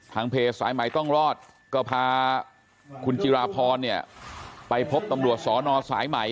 เพจสายใหม่ต้องรอดก็พาคุณจิราพรเนี่ยไปพบตำรวจสอนอสายใหม่